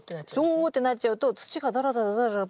Ｏってなっちゃうと土がダラダラダラダラ